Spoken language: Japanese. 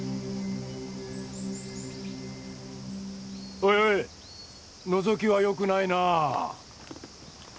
おいおいのぞきはよくないなあ。